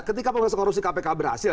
ketika pemerintah korupsi kpk berhasil